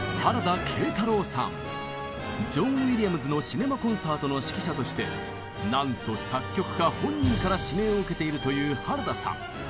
ジョン・ウィリアムズのシネマ・コンサートの指揮者としてなんと作曲家本人から指名を受けているという原田さん。